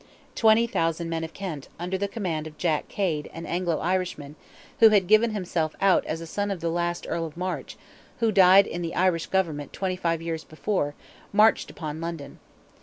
Twenty thousand men of Kent, under the command of Jack Cade, an Anglo Irishman, who had given himself out as a son of the last Earl of March, who died in the Irish government twenty five years before, marched upon London.